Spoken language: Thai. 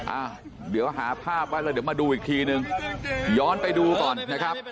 อ่ะเดี๋ยวหาภาพไว้แล้วเดี๋ยวมาดูอีกทีนึงย้อนไปดูก่อนนะครับ